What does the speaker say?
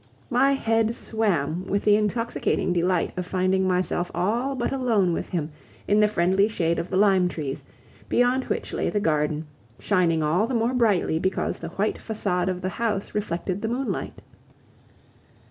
My head swam with the intoxicating delight of finding myself all but alone with him in the friendly shade of the lime trees, beyond which lay the garden, shining all the more brightly because the white facade of the house reflected the moonlight.